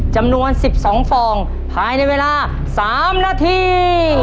จำนวน๑๒ฟองภายในเวลา๓นาที